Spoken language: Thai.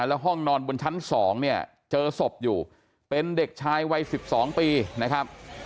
แล้วห้องนอนบนชั้น๒เนี่ยเจอศพอยู่เป็นเด็กชายวัย๑๒ปีนะครับ